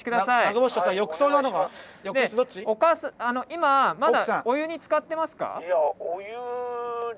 今まだお湯につかってますか？